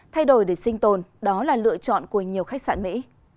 thay đổi để sinh tồn đó là lựa chọn của nhiều khách sạn mỹ